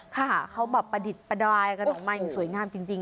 ค่ะเค้าบาบประดิษฐ์ประดายกับน้องมายยังสวยงามจริง